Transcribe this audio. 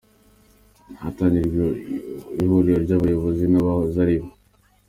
Hatangijwe ihuriro ry’ abayobozi n’ abahoze aribo.